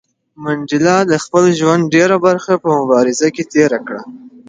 منډېلا د خپل ژوند ډېره برخه په مبارزه کې تېره کړه.